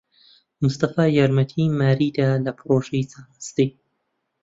مستەفا یارمەتیی ماریی دا لە پرۆژەی زانستی.